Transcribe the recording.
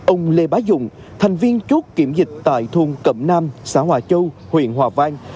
ông lê bá dụng thành viên chốt kiểm dịch tại thôn cẩm nam xã hòa châu huyện hòa vang